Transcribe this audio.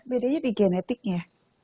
bedanya di genetiknya